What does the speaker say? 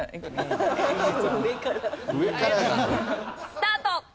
スタート！